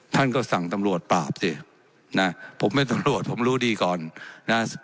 ท่านก็สั่งตำรวจปราบสินะผมเป็นตำรวจผมรู้ดีก่อนนะ